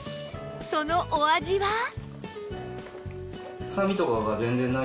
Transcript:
そのお味は？